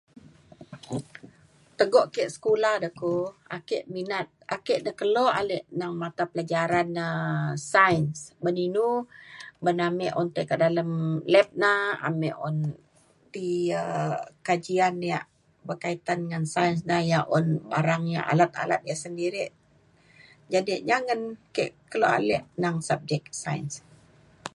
Tego ke sekula dai ko ake minat ake ne kelo alek nang matapelajaran ne um Science uban inu uban ame un tai ke dalem lab na ame un ti ya kajian ya kaitan dengan Science na ya un barang ya alat alat ya sendiri jadi jangen ke kelo ale nang subject Science.